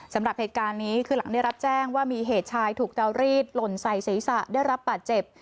สำหรับเหตุการณ์นี้คือหลังได้รับแจ้งว่ามีเหตุชายถูกเตารีดหล่นใส่ศีรษะได้รับบาดเจ็บ